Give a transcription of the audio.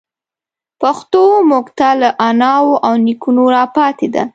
پښتو موږ ته له اناوو او نيکونو راپاتي ده.